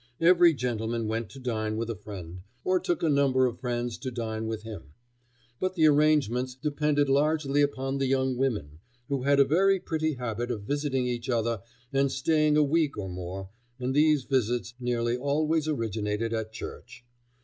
Every gentleman went to dine with a friend, or took a number of friends to dine with him. But the arrangements depended largely upon the young women, who had a very pretty habit of visiting each other and staying a week or more, and these visits nearly always originated at church.